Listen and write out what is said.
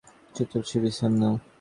তুমি চুপচাপ শুয়ে বিশ্রাম নাও।